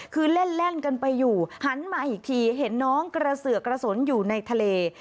คือเล่นกันไปอยู่หันมาอีกทีเห็นน้องกระเสือกกระสุนอยู่ในทะเล